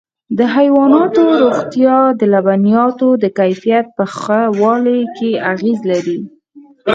د حيواناتو روغتیا د لبنیاتو د کیفیت په ښه والي کې اغېز لري.